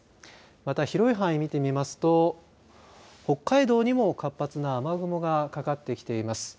また広い範囲見てみますと北海道にも活発な雨雲がかかってきています。